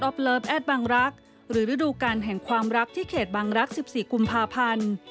บางรัก๑๔กุมภาพันธ์